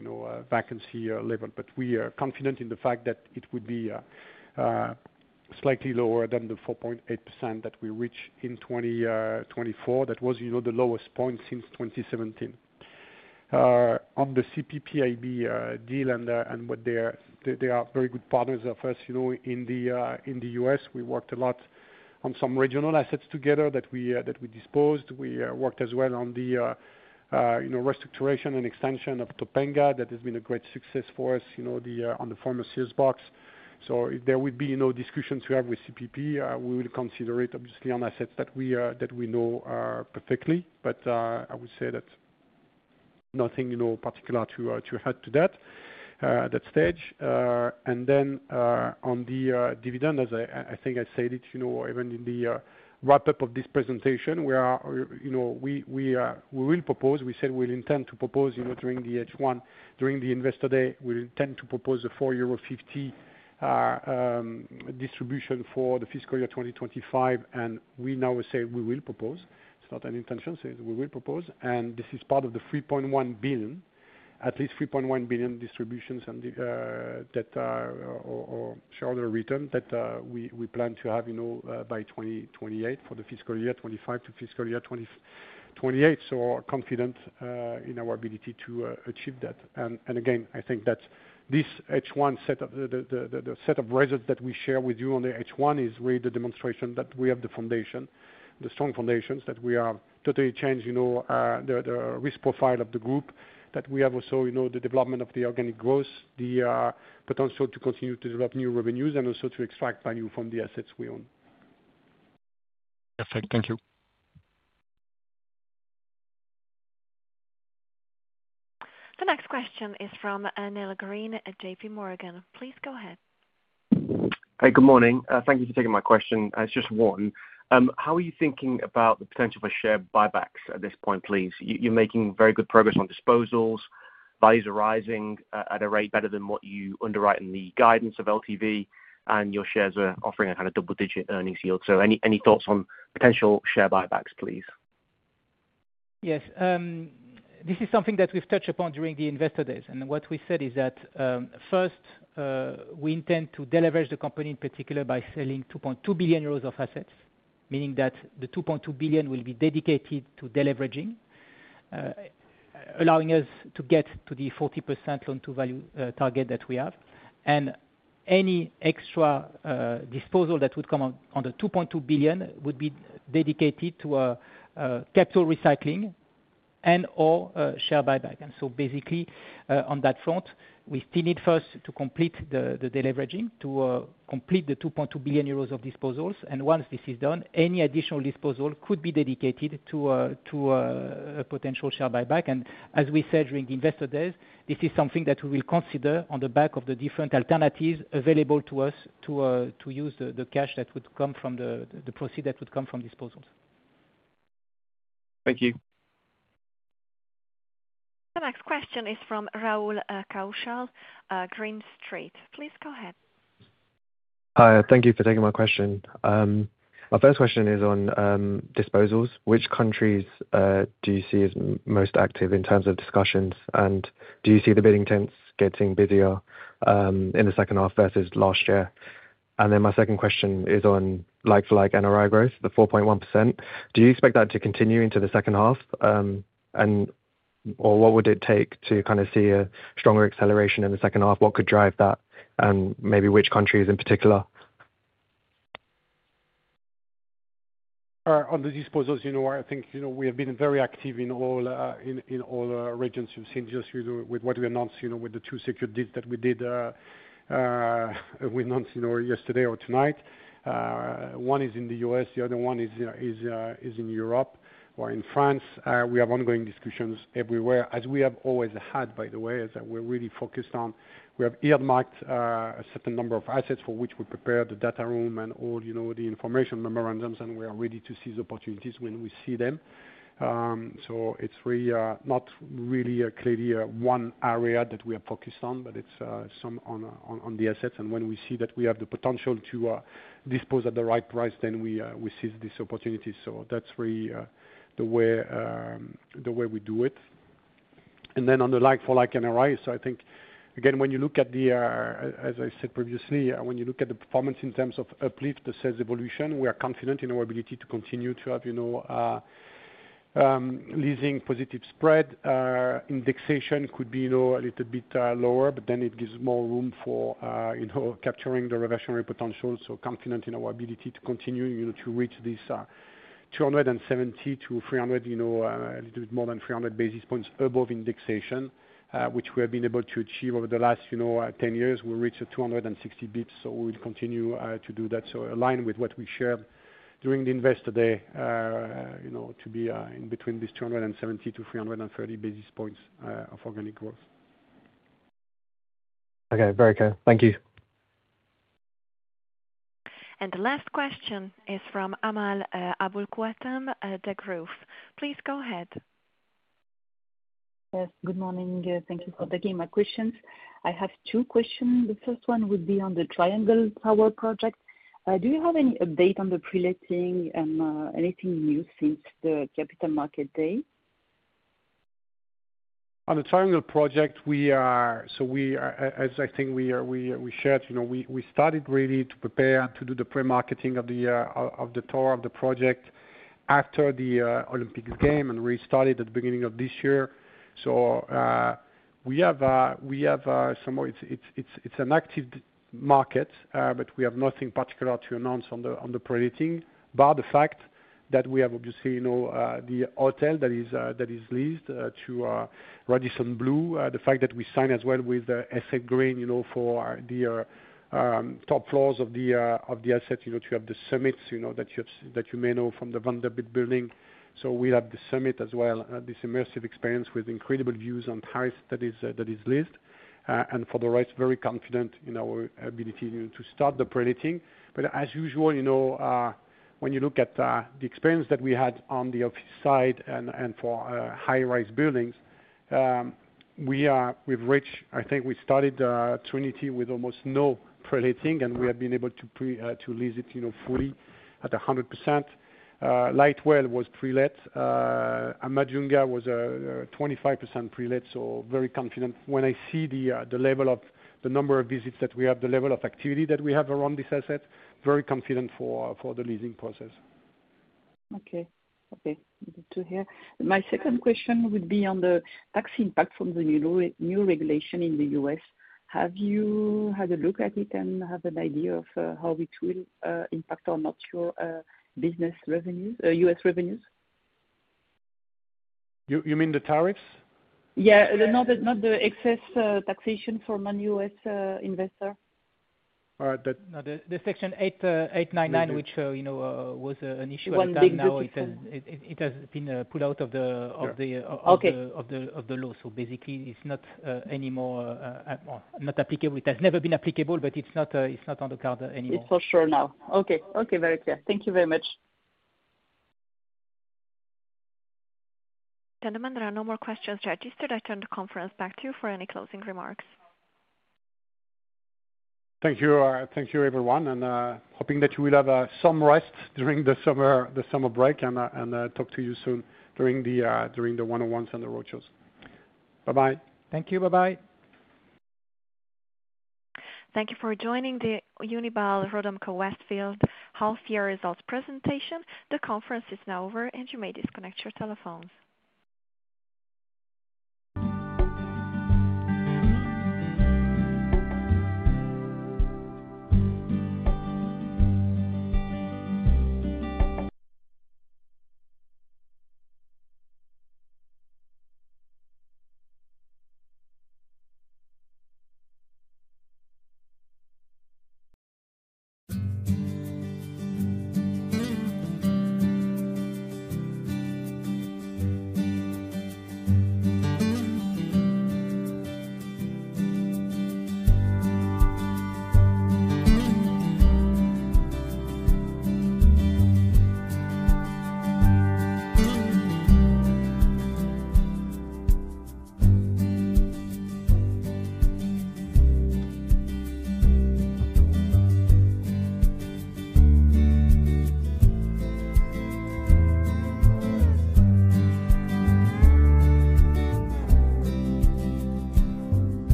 vacancy level. But we are confident in the fact that it would be slightly lower than the 4.8% that we reached in 2024. That was the lowest point since 2017. On the CPPIB deal and what they are they are very good partners of us in The U. S. We worked a lot on some regional assets together that we disposed. We worked as well on the restoration and extension of Topanga that has been a great success for us on the former Sears box. So if there would be no discussions we have with CPP, we will consider it obviously on assets that we know perfectly. But I would say that nothing particular to add to that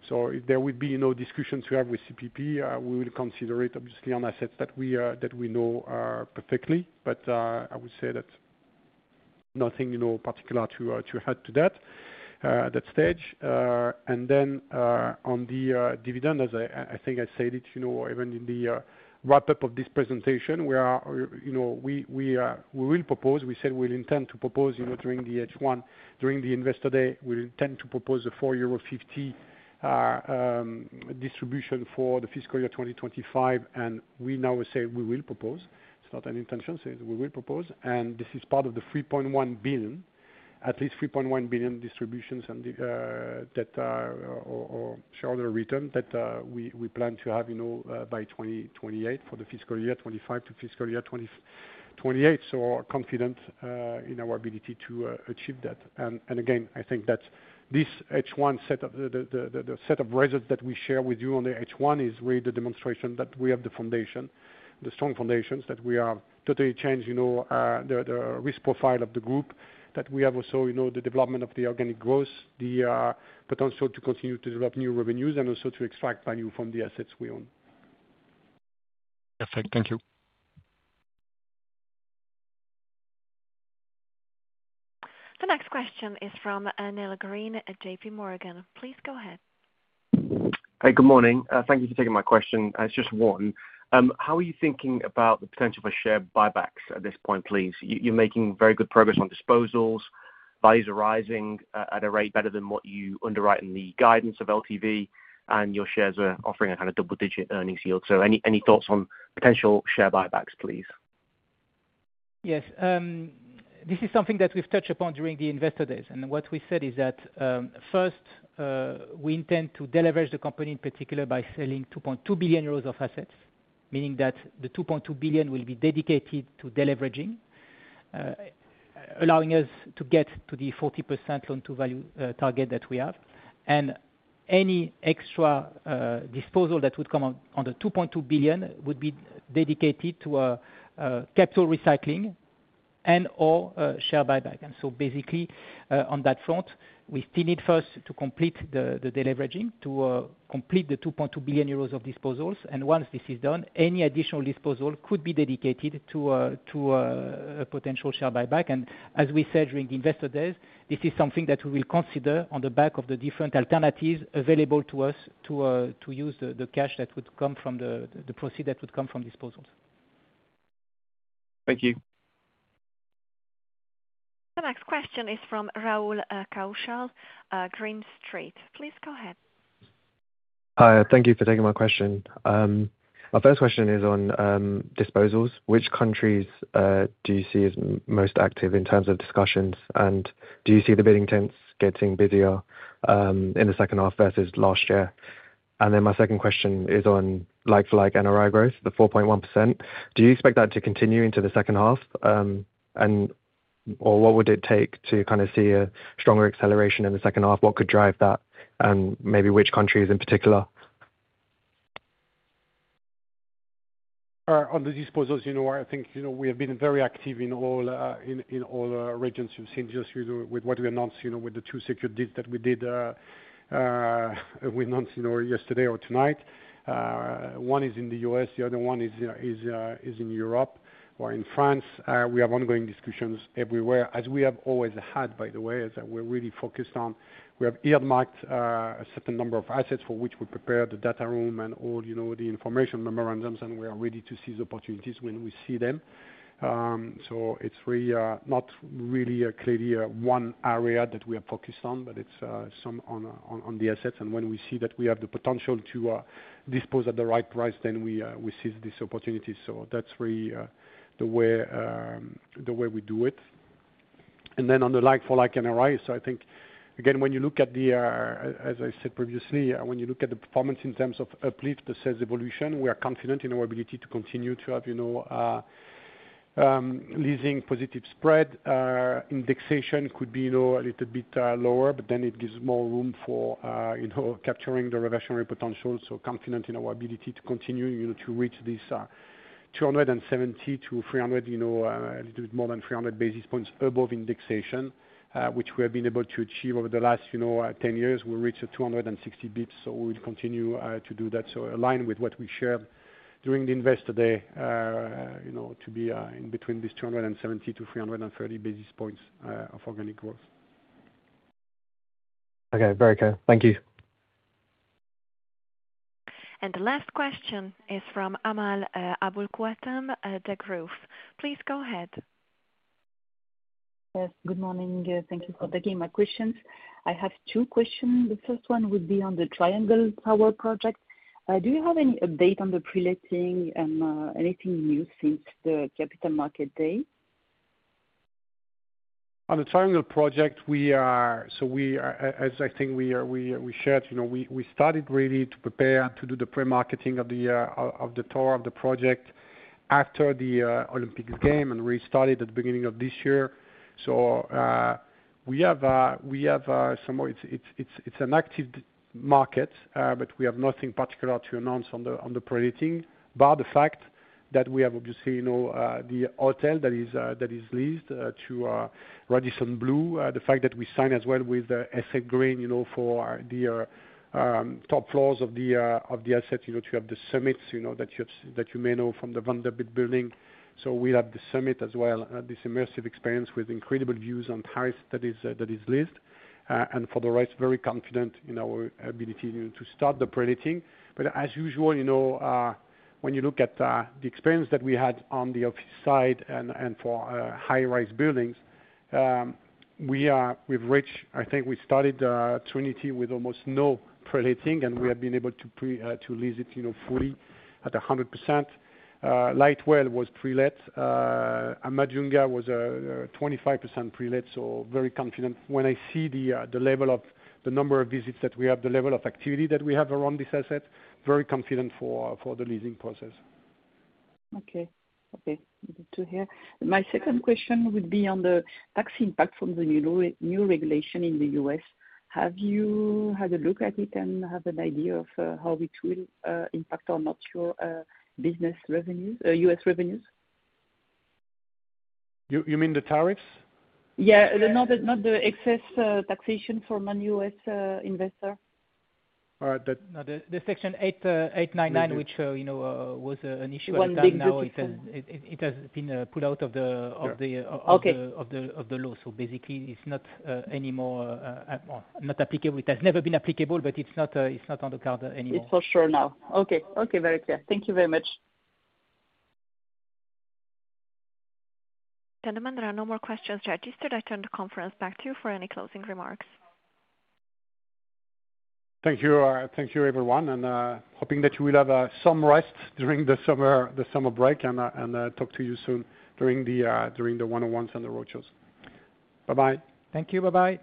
that stage. And then on the dividend, as I think I said it even in the wrap up of this presentation, we are we will propose, we said we'll intend to propose during the H1 during the Investor Day, we intend to propose a 4 point euros 5 distribution for the fiscal year 2025. And we now say we will propose, not it's an intention, say we will propose. And this is part of the 3,100,000,000.0, at least 3,100,000,000.0 distributions and that are shareholder return that we plan to have by 2028, for the fiscal year 2025 to fiscal year twenty twenty eight, so confident in our ability to achieve that. And again, I think that this H1 set of the set of results that we share with you on the H1 is really the demonstration that we have the foundation, the strong foundations, that we have totally changed the risk profile of the group, that we have also the development of the organic growth, the potential to continue to develop new revenues and also to extract value from the assets we own.
Perfect. Thank you.
The next question is from Neil Green at JPMorgan. Please go ahead.
Hi, good morning. Thank you for taking my question. Just one, How are you thinking about the potential for share buybacks at this point, please? You're making very good progress on disposals, values arising at a rate better than what you underwrite in the guidance of LTV, and your shares are offering a kind of double digit earnings yield. So any thoughts on potential share buybacks, please?
Yes. This is something that we've touched upon during the Investor Days. And what we said is that, first, we intend to deleverage the company in particular by selling €2,200,000,000 of assets, meaning that the €2,200,000,000 will be dedicated to deleveraging, allowing us to get to the 40% loan to value target that we have. And any extra disposal that would come on the €2,200,000,000 would be dedicated to capital recycling and or share buyback. So basically on that front, we still need first to complete the deleveraging to complete the €2,200,000,000 of disposals. And once this is done, any additional disposal could be dedicated to a potential share buyback. And as we said during the Investor Day, is something that we will consider on the back of the different alternatives available to us to use the cash that would come from the the proceed that would come from disposals.
Thank you.
The next question is from Rahul Kaushal, Green Street. Please go ahead.
Hi. Thank you for taking my question. My first question is on disposals. Which countries do you see is most active in terms of discussions? And do you see the bidding tents getting busier in the second half versus last year? And then my second question is on like for like NRI growth, the 4.1. Do you expect that to continue into the second half? And or what would it take to kind of see a stronger acceleration in the second half? What could drive that? And maybe which countries in particular?
On the disposals, you know, I think, you know, we have been very active in all in all regions you've seen just with what we announced, know, with the two secured deals that we did we announced yesterday or tonight. One is in The U. S, the other one is in Europe or in France. We have ongoing discussions everywhere, as we have always had, by the way, is that we're really focused on we have earmarked a certain number of assets for which we prepare the data room and all the information memorandums, and we are ready to seize opportunities when we see them. So it's really not really clearly one area that we are focused on, but it's some on the assets. And when we see that we have the potential to dispose at the right price, then we seize this opportunity. So that's really the way we do it. And then on the like for like NRI, so I think, again, when you look at the as I said previously, when you look at the performance in terms of uplift, the sales evolution, we are confident in our ability to continue to have leasing positive spread. Indexation could be a little bit lower, but then it gives more room for capturing the reversionary potential. So confident in our ability to continue to reach this two seventy to 300 a little more than 300 basis points above indexation, which we have been able to achieve over the last ten years. We reached two sixty bps, so we'll continue to do that. So aligned with what we shared during the Investor Day to be in between this two seventy to three thirty basis points of organic growth.
Okay, very clear. Thank you.
And the last question is from Amal Aboukwatam, The Group. Please go ahead.
Yes. Good morning. Thank you for taking my questions. I have two questions. The first one would be on the Triangle Power project. Do you have any update on the pre letting and anything new since the Capital Market Day?
On the Triangle project, we are so we as I think we shared, we started really to prepare to do the pre marketing of the tour of the project after the Olympic Games and restarted at the beginning of this year. So we have somewhat it's an active market, but we have nothing particular to announce on the Prelating, bar the fact that we have, obviously, the hotel that is leased to Radisson Blu, the fact that we signed as well with Essay Green for the top floors of the asset, to have the summit that you may know from the Van Der Beek Building. So we have the summit as well, this immersive experience with incredible views on Paris that is leased. And for the rest, very confident in our ability to start the predicting. But as usual, you know, when you look at the experience that we had on the office side and and for high rise buildings, We've reached I think we started Trinity with almost no pre letting and we have been able to lease it fully at 100%. Lightwell was pre let. Amajunga was 25% pre let, so very confident. When I see the level of the number of visits that we have, the level of activity that we have around this asset, very confident for the leasing process.
Okay. Good to hear. Second question would be on the tax impact from the new new regulation in The US. Have you had a look at it and have an idea of how it will impact on mature business revenue US revenues?
You you mean the tariffs?
Yeah. No. Not excess taxation for non US investor.
Alright. The No. The the section eight eight nine nine, which, you know, was an issue one time now, it has it has been pulled out of the of the of the of the law. So, basically, it's not anymore not applicable. Has never been applicable, but it's not on the card anymore.
It's for sure now. Okay. Okay. Very clear. Thank you very much.
Gentlemen, there are no more questions registered. I turn the conference back to you for any closing remarks.
Thank you. Thank you, everyone, and hoping that you will have some rest during the summer break and talk to you soon during the one on ones and the roadshows. Bye bye. Thank you. Bye bye.